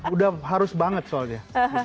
udah harus banget soalnya